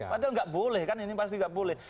padahal nggak boleh kan ini pasti nggak boleh